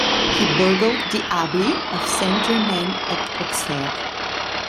He burgled the abbey of St-Germain at Auxerre.